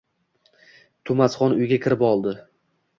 To’masxon uyga kirib oldi.